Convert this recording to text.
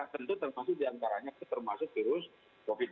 tentu termasuk diantaranya termasuk virus covid sembilan belas